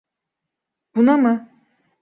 Buna mı?